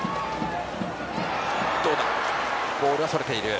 ボールはそれている。